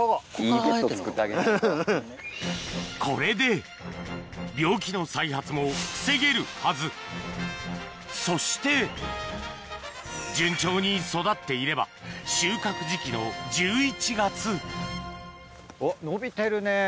これで病気の再発も防げるはずそして順調に育っていれば収穫時期の１１月おっ伸びてるね。